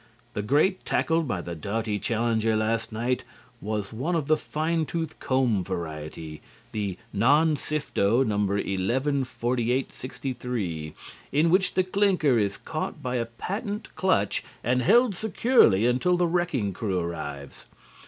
The grate tackled by the doughty challenger last night was one of the fine tooth comb variety (the "Non Sifto" No. 114863), in which the clinker is caught by a patent clutch and held securely until the wrecking crew arrives.